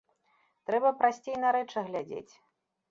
Трэба прасцей на рэчы глядзець.